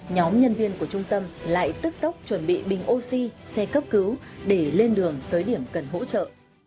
nhóm nhân viên của trung tâm lại tức tốc chuẩn bị bình oxy xe cấp cứu để lên đường tới điểm cần hỗ trợ